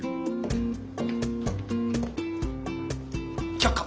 却下。